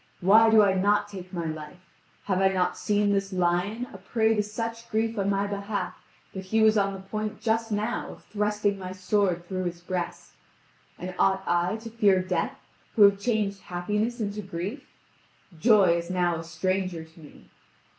Why do I not take my life? Have I not seen this lion a prey to such grief on my behalf that he was on the point just now of thrusting my sword through his breast? And ought I to fear death who have changed happiness into grief? Joy is now a stranger to me.